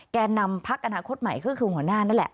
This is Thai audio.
แก่นำพักอนาคตใหม่ก็คือหัวหน้านั่นแหละ